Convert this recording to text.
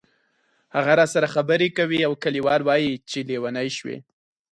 هغه راسره خبرې کوي او کلیوال وایي چې لیونی شوې.